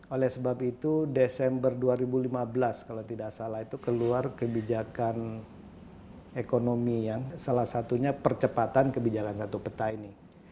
oleh sebab itu desember dua ribu lima belas kalau tidak salah itu keluar kebijakan ekonomi yang salah satunya percepatan kebijakan satu peta ini